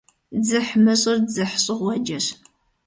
ДзыхьмыщӀыр дзыхьщӀыгъуэджэщ.